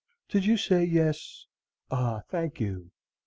"Did you say yes? Ah, thank you.